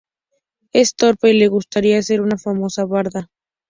Es torpe y le gustaría ser una famosa barda.